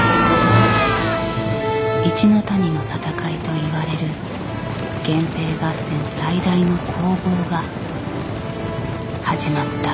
一ノ谷の戦いといわれる源平合戦最大の攻防が始まった。